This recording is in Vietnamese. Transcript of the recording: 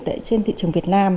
trên thị trường việt nam